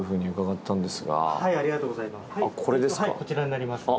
こちらになりますね。